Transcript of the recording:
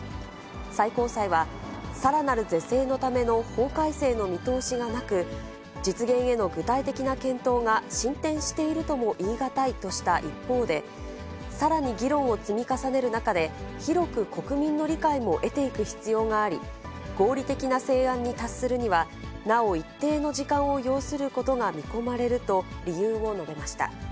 最高裁は、さらなる是正のための法改正の見通しがなく、実現への具体的な検討が進展しているとも言い難いとした一方で、さらに議論を積み重ねる中で、広く国民の理解も得ていく必要があり、合理的な成案に達するには、なお一定の時間を要することが見込まれると、理由を述べました。